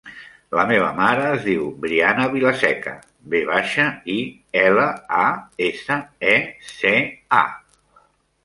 La meva mare es diu Briana Vilaseca: ve baixa, i, ela, a, essa, e, ce, a.